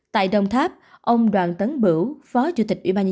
tại đồng tháp ông đoàn tấn bửu phó chủ tịch ubnd